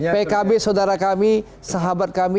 pkb saudara kami sahabat kami